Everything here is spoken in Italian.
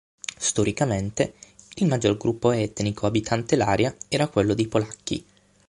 Storicamente, il maggiore gruppo etnico abitante l'area era quello dei polacchi.